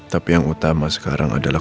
tapi yang utama sekarang adalah